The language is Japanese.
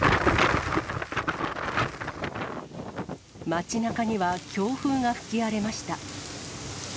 街なかには、強風が吹き荒れました。